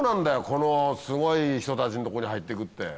このすごい人たちんとこに入ってくって。